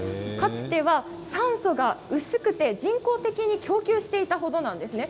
つては酸素が薄くて人工的に供給していた程なんですね。